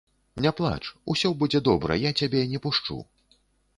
Не плач, усё будзе добра, я цябе не пушчу.